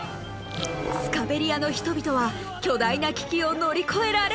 スカベリアの人々は巨大な危機を乗り越えられるのか？